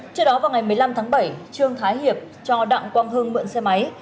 trước đó vào ngày một mươi năm tháng bảy trương thái hiệp cho đặng quang hưng mượn xe máy